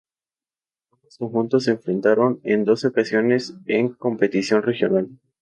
Ambos conjuntos se enfrentaron en doce ocasiones en competición regional.